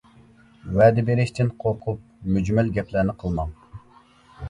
ۋەدە بېرىشتىن قورقۇپ مۈجمەل گەپلەرنى قىلماڭ.